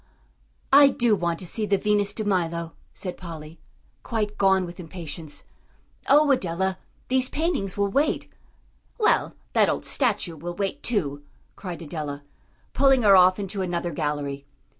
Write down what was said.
"I do want to see the Venus de Milo," said Polly, quite gone with impatience. "Oh, Adela, these paintings will wait." "Well, that old statue will wait, too," cried Adela, pulling her off into another gallery.